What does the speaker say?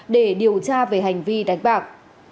để điều tra về hành vi đánh bạc